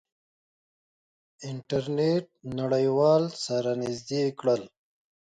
انټرنیټ نړیوال سره نزدې کړل.